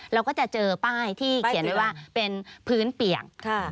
เราก็จะเจอป้ายที่เขียนไว้ว่าเป็นพื้นเปียก